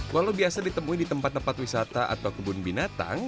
walau biasa ditemui di tempat tempat wisata atau kebun binatang